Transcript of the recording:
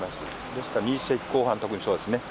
ですから２０世紀後半特にそうですね。